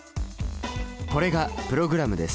これがプログラムです。